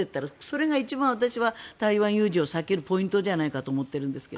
それが一番、私は台湾有事を避けるポイントじゃないかと思っているんですが。